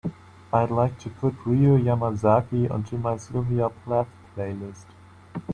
I'd like to put Ryō Yamazaki onto my sylvia plath playlist.